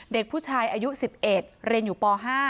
เด็กผู้ชายอายุ๑๑เรียนอยู่ป๕